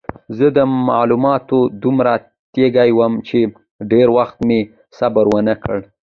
زه د معلوماتو دومره تږی وم چې ډېر وخت مې صبر ونه کړ.